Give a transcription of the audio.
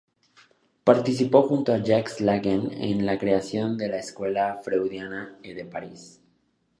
Participó junto a Jacques Lacan en la creación de la Escuela Freudiana de París.